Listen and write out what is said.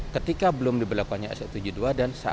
ketika belum diberlakukannya s satu ratus tujuh puluh dua